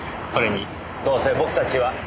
それにどうせ僕たちは。